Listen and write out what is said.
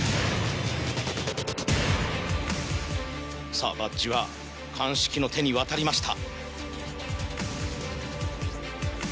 さぁバッジは鑑識の手に渡りました。